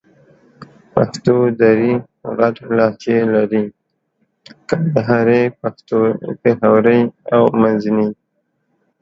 پښتو درې غټ لهجې لرې: کندهارۍ، پېښورۍ او منځني.